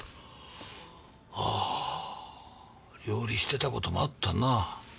ああ料理してた事もあったなぁ。